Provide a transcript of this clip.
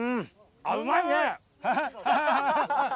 あっうまいね！